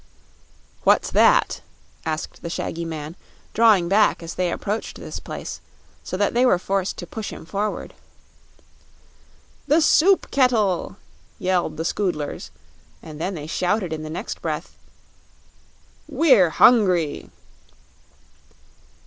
"What's that?" asked the shaggy man, drawing back as they approached this place, so that they were forced to push him forward. "The Soup Kettle!" yelled the Scoodlers, and then they shouted in the next breath: "We're hungry!"